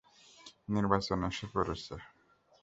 নির্বাচন এসে পড়েছে।